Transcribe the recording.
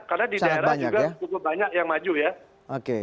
karena di daerah juga cukup banyak yang maju ya